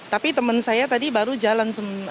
tapi teman saya tadi baru jalan delapan empat puluh satu